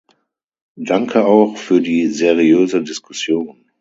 Danke auch für die seriöse Diskussion.